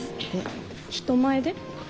人前で？